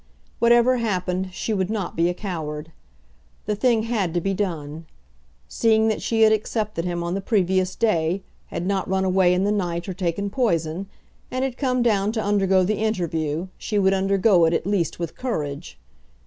Whatever happened, she would not be a coward. The thing had to be done. Seeing that she had accepted him on the previous day, had not run away in the night or taken poison, and had come down to undergo the interview, she would undergo it at least with courage.